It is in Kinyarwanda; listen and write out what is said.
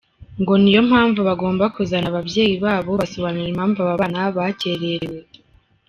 Ngo ni yo mpamvu bagomba kuzana ababyeyi babo bagasobanura impamvu aba bana bakererewe.